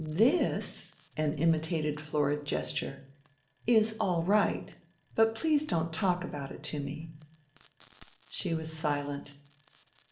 " This*' (an imitative florid gesture) "is all right. But please don't talk about it to me." She was silent.